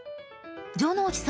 城之内さん